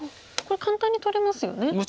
これ簡単に取れますよね。